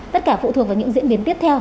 tất cả phụ thuộc vào những diễn biến tiếp theo